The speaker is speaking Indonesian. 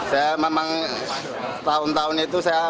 saya memang tahun tahun itu saya